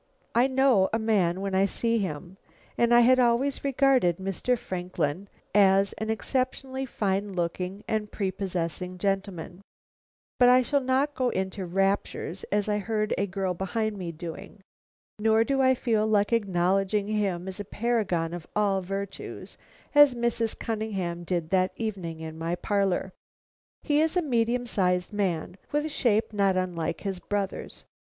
I know a man when I see him, and I had always regarded Mr. Franklin as an exceptionally fine looking and prepossessing gentleman, but I shall not go into raptures, as I heard a girl behind me doing, nor do I feel like acknowledging him as a paragon of all the virtues as Mrs. Cunningham did that evening in my parlor. He is a medium sized man, with a shape not unlike his brother's.